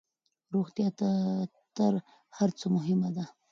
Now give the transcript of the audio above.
روغتيا تر هرڅه مهمه ده